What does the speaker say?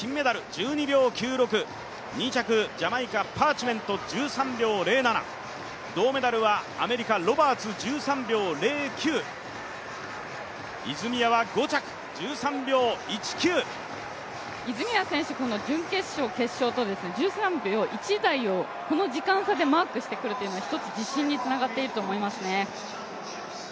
１２秒９６、２着ジャマイカ、パーチメント１３秒０７、銅メダルはアメリカロバーツ１３秒０９、泉谷は５着、泉谷選手、準決勝、決勝を１３秒１台をこの時間差でマークしてくるというのは一つ自信につながっていると思いますね。